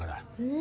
え！